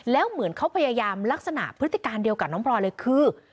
แล้วเหมือนเขาพยายามลักษณะพฤติการเดียวกับน้องพลอยเลยคือ